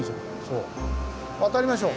渡りましょう。